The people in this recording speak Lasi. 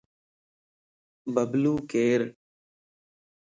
ببلو ڪير؟